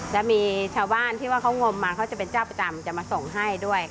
แล้วมีชาวบ้านที่ว่าเขางมมาเขาจะเป็นเจ้าประจำจะมาส่งให้ด้วย